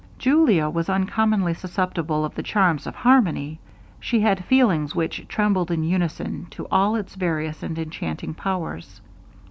Julia was uncommonly susceptible of the charms of harmony. She had feelings which trembled in unison to all its various and enchanting powers.